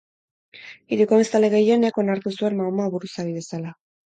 Hiriko biztanle gehienek onartu zuten Mahoma buruzagi bezala.